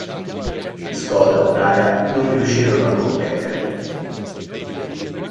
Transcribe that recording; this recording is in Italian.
Škoda o Praga non riuscirono a competere.